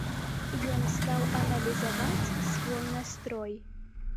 Ён стаў аналізаваць свой настрой.